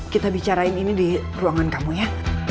kita bicarain ini di ruangan kamu ya